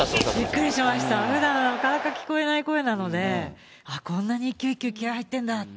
びっくりしました、ふだん、なかなか聞こえない声なので、ああ、こんなに一球一球気合い入ってるんだって。